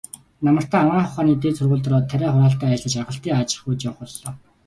Намартаа Анагаах ухааны дээд сургуульд ороод, тариа хураалтын ажлаар Жаргалантын аж ахуйд явах боллоо.